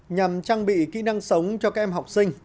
nhằm trang bị kỹ năng sống cho các em học sinh